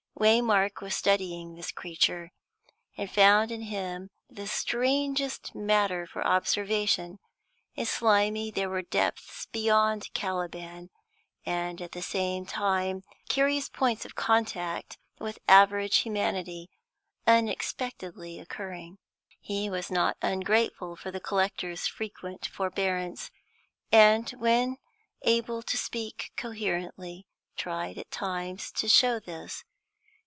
Waymark was studying this creature, and found in him the strangest matter for observation; in Slimy there were depths beyond Caliban, and, at the same time, curious points of contact with average humanity, unexpectedly occurring. He was not ungrateful for the collector's frequent forbearance, and, when able to speak coherently, tried at times to show this.